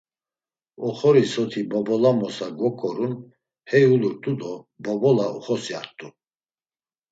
Oxori soti bobolamosa gvoǩorun hey ulurt̆u do bobola uxosyart̆u.